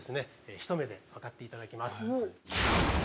ひと目でわかっていただきます。